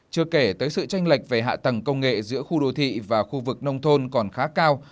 chưa kể tới sự tranh lệch về hạ tầng công nghệ giữa khu đô thị và khu vực nông thôn còn khá cao